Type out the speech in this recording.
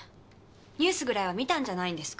ニュースぐらいは見たんじゃないんですか？